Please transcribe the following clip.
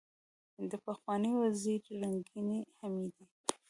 دپخوانۍ وزیرې رنګینې حمیدې